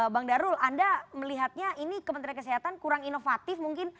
bang darul anda melihatnya ini kementerian kesehatan kurang inovatif mungkin